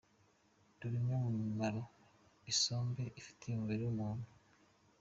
Dore imwe mu mimaro isombe ifitiye umubiri w’umuntu.